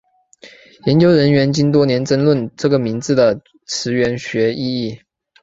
研究人员经多年争论这个名字的词源学意义。